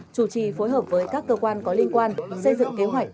chủ trì phối hợp với các cơ quan có liên quan xây dựng kế hoạch